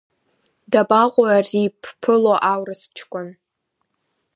Дабаҟоу ари ибԥыло аурыс ҷкәын?